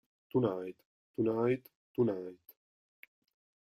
Tonight, Tonight, Tonight